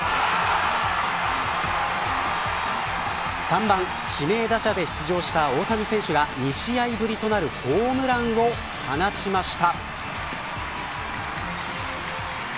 ３番指名打者で出場した大谷選手が２試合ぶりとなるホームランを放ちました。